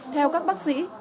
theo các bác sĩ